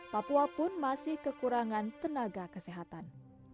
papua pun masih kekurangan tenaga kesehatan